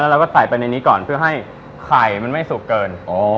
เราก็ใส่ไปในนี้ก่อนเพื่อให้ไข่มันไม่สุกเกิน